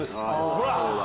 ほら！